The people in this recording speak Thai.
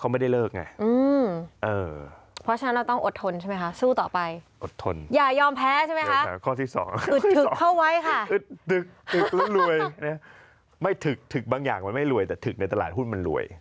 ไม่พูดเรื่องหุ้นปันนะ